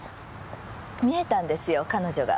見えたんですよ彼女が。